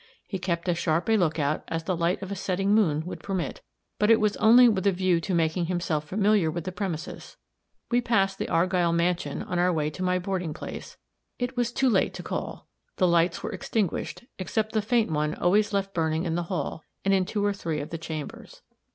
He kept as sharp a lookout as the light of a setting moon would permit, but it was only with a view to making himself familiar with the premises. We passed the Argyll mansion on our way to my boarding place; it was too late to call; the lights were extinguished, except the faint one always left burning in the hall, and in two or three of the chambers.